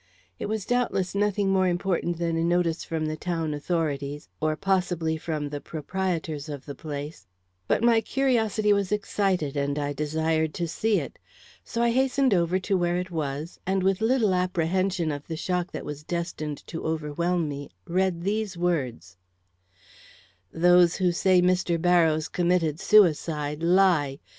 It was doubtless nothing more important than a notice from the town authorities, or possibly from the proprietors of the place, but my curiosity was excited, and I desired to see it. So I hastened over to where it was, and with little apprehension of the shock that was destined to overwhelm me, read these words: "Those who say Mr. Barrows committed suicide lie.